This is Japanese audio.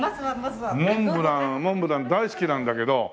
モンブランモンブラン大好きなんだけど。